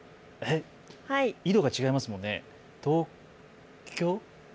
緯度が違いますもんね。